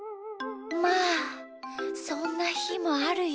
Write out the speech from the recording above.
まあそんなひもあるよ。